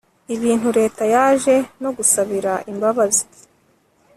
ibintu leta yaje no gusabira imbabazi